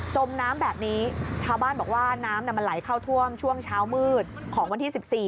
มน้ำแบบนี้ชาวบ้านบอกว่าน้ำมันไหลเข้าท่วมช่วงเช้ามืดของวันที่๑๔